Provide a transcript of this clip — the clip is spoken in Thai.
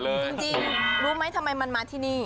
จริงรู้ไหมทำไมมันมาที่นี่